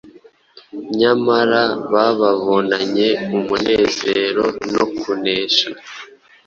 nyamara bababonanye umunezero no kunesha.